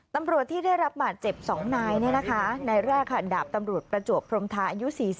ตำรวจที่ได้รับบาดเจ็บสองนายเนี่ยนะคะนายราคาดาบตำรวจประจวบพรมทาอายุ๔๗ปี